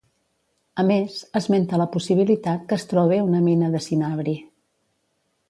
A més, esmenta la possibilitat que es trobe una mina de cinabri.